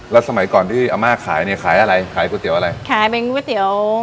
แล้วสมัยก่อนที่อาม่าขายเนี่ยขายอะไรขายก๋วยเตี๋ยวอะไรขายเป็นก๋วยเตี๋ยว